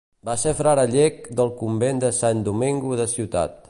Va ser frare llec del Convent de Sant Domingo de Ciutat.